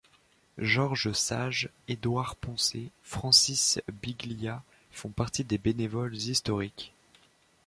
Georges Sage, Édouard Poncet, Francis Biglia font partie des bénévoles historiques.